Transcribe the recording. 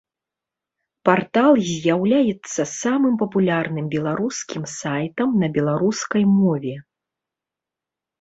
Партал з'яўляецца самым папулярным беларускім сайтам на беларускай мове.